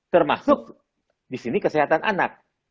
termasuk di sini kesehatan anak